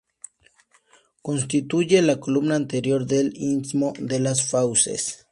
Constituye la columna anterior del istmo de las fauces.